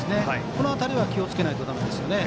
この辺りは気をつけないといけません。